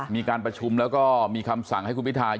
มีการประชุมแล้วก็มีคำสั่งให้คุณพิทาย